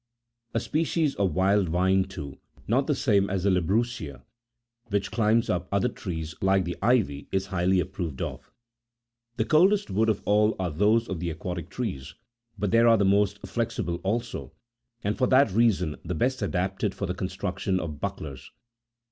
A species of wild vine,29 too— not the same as the labrusca— which climbs up other trees like the ivy, is highly approved of. The coldest30 woods of all are those of the aquatic trees ; but they are the most flexible also, and for that reason the best adapted for the construction of bucklers.